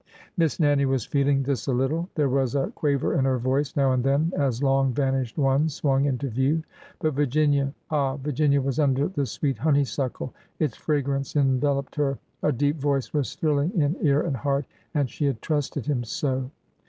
Miss Nannie was feeling this a little. There was a quaver in her voice now and then as long vanished ones swung into view. But Virginia— ah 1 Virginia was under the sweet honeysuckle— its fragrance enveloped her— a deep voice was thrilling in ear and heart. ... And she had trusted him so!